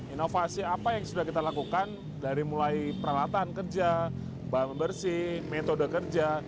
inovasi apa yang sudah kita lakukan dari mulai peralatan kerja bahan pembersih metode kerja